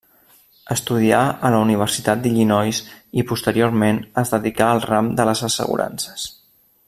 Estudià a la Universitat d'Illinois i posteriorment es dedicà al ram de les assegurances.